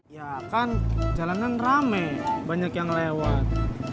ya kan jalanan rame banyak yang lewat